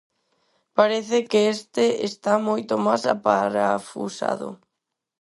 Parece que este está moito máis aparafusado.